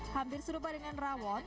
hampir serupa dengan rawon